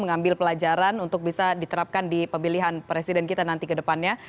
mengambil pelajaran untuk bisa diterapkan di pemilihan presiden kita nanti ke depannya